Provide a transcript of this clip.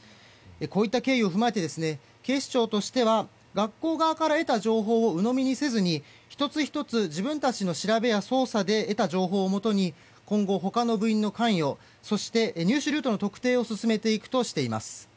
こういった経緯を踏まえて警視庁としては学校側から得た情報をうのみにせずに１つ１つ自分たちの調べや捜査で得た情報をもとに今後、他の部員の関与そして入手ルートの特定を進めていくとしています。